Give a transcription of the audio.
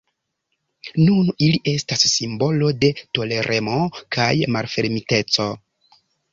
Nun ili estas simbolo de toleremo kaj malfermiteco.